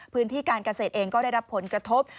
พื้นที่การเกษตรเองก็ได้รับผลกระทบ